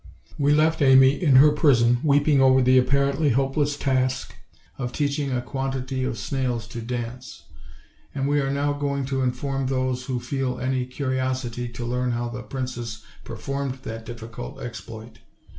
We left Amy in her prison weeping over the apparently hopeless task of teaching a quantity of snails to dance; and we are now going to inform those who feel any curi osity to learn how the princess performed that difficult exploit.